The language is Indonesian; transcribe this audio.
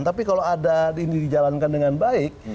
tapi kalau ada ini dijalankan dengan baik